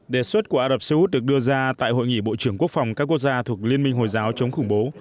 đề xuất của arab seyoud được đưa ra tại hội nghị bộ trưởng quốc phòng các quốc gia thuộc liên minh hồi giáo chống khủng bố